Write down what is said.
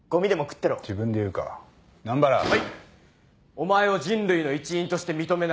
お前を人類の一員として認めない。